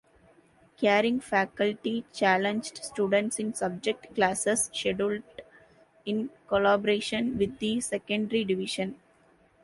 Caring faculty challenged students in subject classes scheduled in collaboration with the secondary division.